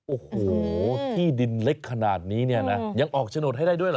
โอ้โหที่ดินเล็กขนาดนี้เนี่ยนะยังออกโฉนดให้ได้ด้วยเหรอ